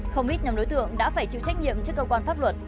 không ít nhóm đối tượng đã phải chịu trách nhiệm trước cơ quan pháp luật